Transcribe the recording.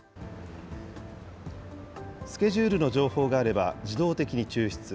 スケジュールの情報があれば、自動的に抽出。